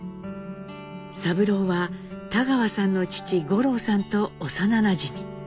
三郎は田川さんの父五郎さんと幼なじみ。